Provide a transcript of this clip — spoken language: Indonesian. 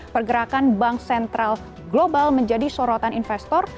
pergerakan bank sentral global menjadi sorotan investor